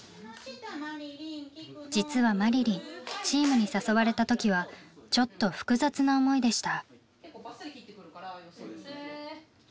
実はまりりんチームに誘われた時はちょっと複雑な思いでした。